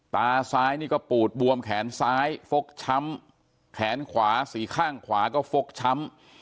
ตาซ้ายนี่ก็ปูดบวมแขนซ้ายฟกช้ำแขนขวาสีข้างขวาก็ฟกช้ำ